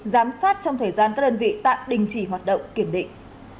giám sát trong thời gian các đơn vị tạm đình chỉ hoạt động kiểm định